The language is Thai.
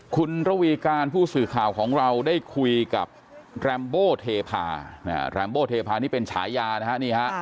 คุณระวีการผู้สื่อข่าวของเราได้คุยกับแรมโบเทพาแรมโบเทพานี่เป็นฉายานะฮะนี่ฮะ